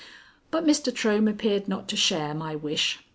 But Mr. Trohm appeared not to share my wish.